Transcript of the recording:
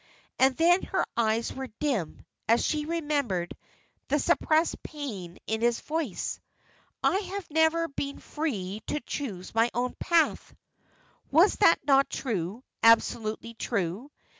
And then her eyes were dim as she remembered the suppressed pain in his voice. "I have never been free to choose my own path." Was that not true, absolutely true?